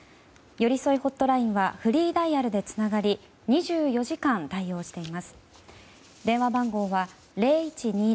よりそいホットラインはフリーダイヤルでつながり２４時間対応しています。